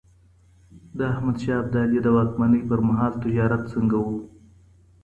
د احمد شاه ابدالي د واکمنۍ پر مهال تجارت څنګه و؟